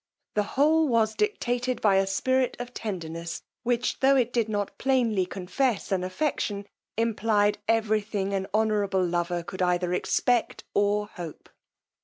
The whole was dictated by a spirit of tenderness, which, tho' it did not plainly confess an affection, implied every thing an honourable lover could either expect or hope.